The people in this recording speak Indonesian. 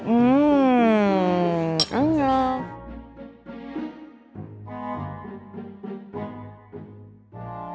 mau makan nanti